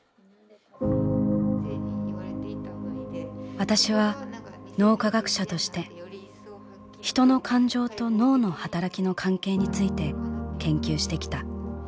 「私は脳科学者としてヒトの感情と脳の働きの関係について研究してきた。